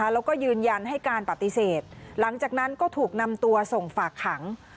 แล้วก็ยืนยันให้การปฏิเสธหลังจากนั้นก็ถูกนำตัวส่งฝากขัง